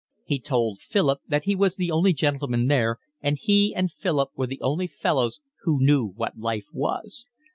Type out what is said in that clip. He told Philip that he was the only gentleman there, and he and Philip were the only fellows who knew what life was.